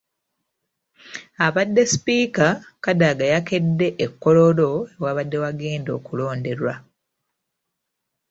Abadde Sipiika, Kadaga yakedde e Kololo ewabadde wagenda okulonderwa.